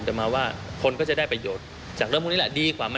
แต่มาว่าคนก็จะได้ประโยชน์จากเรื่องพวกนี้แหละดีกว่ามัน